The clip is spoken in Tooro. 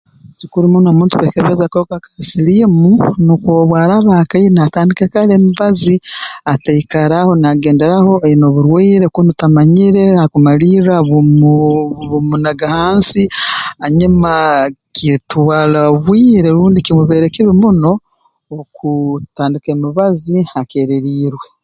Kikuru muno omuntu kwekebeza akahuka ka siliimu nukwo obu araaba akaine atandike kara emibazi ataikara aho naagenderaho aine oburwaire kunu tamanyire ha kumalirra bumu bumunaga hansi hanyuma kitwara obwire rundi kimubeere kibi muno okutandika emibazi akeererirwe